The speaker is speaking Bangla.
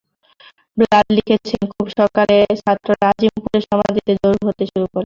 ব্লাড লিখেছেন, খুব সকালে ছাত্ররা আজিমপুর সমাধিতে জড়ো হতে শুরু করেন।